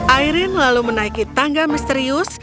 airin lalu menaiki tangga misterius